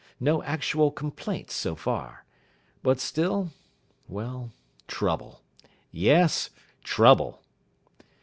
No actual complaints so far. But still well, trouble yes, trouble.